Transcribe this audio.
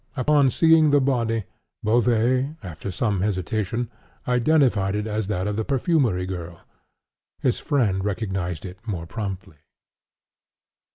Upon seeing the body, Beauvais, after some hesitation, identified it as that of the perfumery girl. His friend recognized it more promptly.